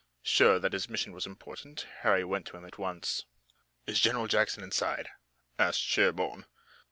Sure that his mission was important, Harry went to him at once. "Is General Jackson inside?" asked Sherburne.